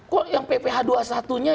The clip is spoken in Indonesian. kok yang pph dua puluh satu nya